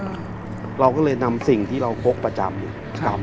เอาเราก็เลยนำสิ่งที่เราโป๊กประจำครับ